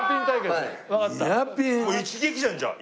もう一撃じゃんじゃあ。